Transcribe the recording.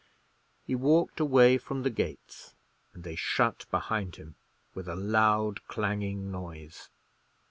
He walked away from the gates, and they shut behind him with a loud clanging noise.